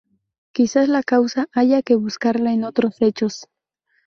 Quizás la causa haya que buscarla en otros hechos.